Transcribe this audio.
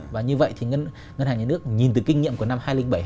và như vậy thì ngân hàng nhà nước nhìn từ kinh nghiệm của năm hai nghìn bảy hai nghìn tám